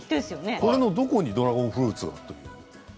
これのどこにドラゴンフルーツが？